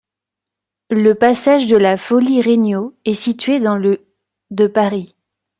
Le passage de la Folie-Régnault est situé dans le de Paris.